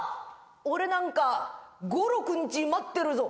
「俺なんか５６日待ってるぞ」。